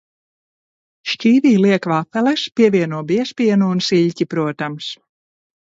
Šķīvī liek vafeles, pievieno biezpienu un siļķi, protams.